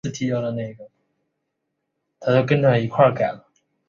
规划路线时曾为了路线选择产生争议。